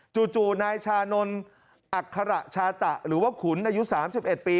จู่นายชานนท์อัคระชาตะหรือว่าขุนอายุ๓๑ปี